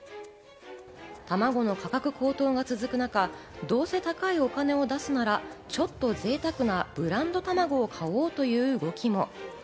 たまごの価格高騰が続く中、どうせ高いお金を出すなら、ちょっと贅沢なブランドたまごを買おうという動きも。